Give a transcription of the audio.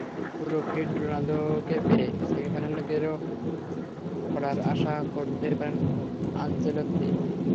পুরো ফিট রোনালদোকে পেয়ে সেমিফাইনালের গেরো খোলার আশা করতেই পারেন আনচেলত্তি।